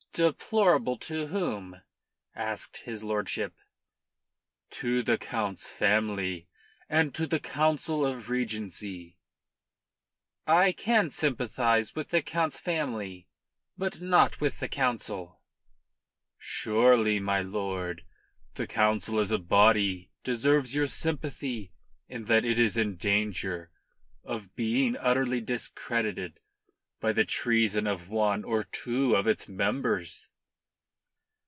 "Deplorable to whom?" asked his lordship. "To the Count's family and to the Council of Regency." "I can sympathise with the Count's family, but not with the Council." "Surely, my lord, the Council as a body deserves your sympathy in that it is in danger of being utterly discredited by the treason of one or two of its members."